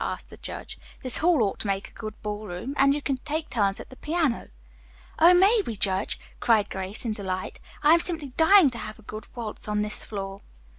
asked the judge. "This hall ought to make a good ball room, and you can take turns at the piano." "Oh, may we, Judge?" cried Grace in delight. "I am simply dying to have a good waltz on this floor."